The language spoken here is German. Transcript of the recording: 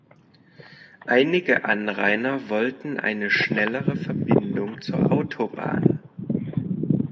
Einige Anrainer wollten eine schnellere Verbindung zur Autobahn.